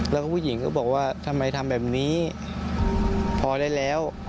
แล้วก็ผู้หญิงก็บอกว่าทำไมทำแบบนี้พอได้แล้ว